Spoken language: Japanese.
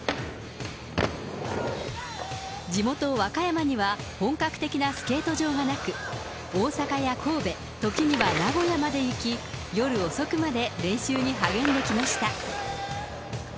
地元、和歌山には、本格的なスケート場がなく、大阪や神戸、時には名古屋まで行き、夜遅くまで練習に励んできました。